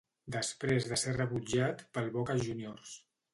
Després de ser rebutjat pel Boca Juniors.